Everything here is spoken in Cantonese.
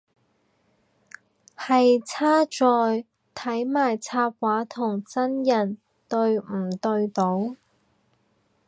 係差在睇埋插畫同真人對唔對到